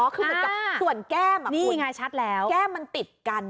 อ๋อควรเหมือนกับส่วนแก้มมันติดกัน